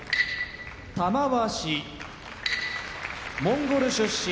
玉鷲モンゴル出身